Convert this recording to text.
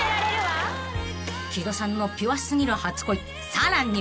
［さらに］